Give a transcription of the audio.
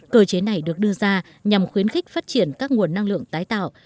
cơ chế này được đưa ra nhằm khuyến khích phát triển các nguồn năng lượng tái tạo